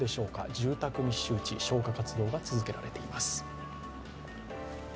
住宅密集地、消火活動が続けられています。